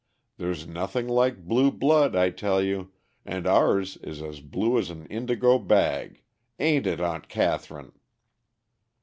There's nothing like blue blood, I tell you, and ours is as blue as an indigo bag; a'n't it, Aunt Catherine?"